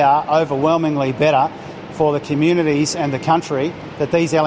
karena mereka sangat lebih baik untuk masyarakat dan negara